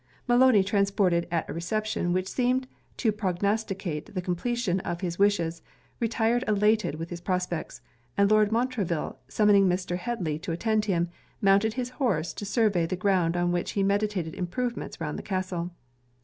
Maloney, transported at a reception which seemed to prognosticate the completion of his wishes, retired elated with his prospects; and Lord Montreville summoning Mr. Headly to attend him, mounted his horse to survey the ground on which he meditated improvements round the castle.